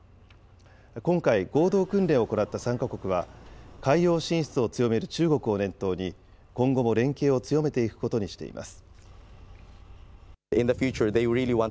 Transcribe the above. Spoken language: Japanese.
今回、合同訓練を行った３か国は、海洋進出を強める中国を念頭に、今後も連携を強めていくことにしています。